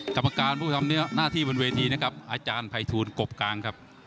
กรรมการผู้ทำหน้าที่บนเวทีนะครับอาจารย์ภัยทูลกบกลางครับ